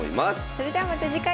それではまた次回。